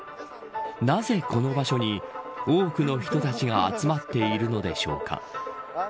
なぜ、この場所に多くの人たちが集まっているのでしょうか。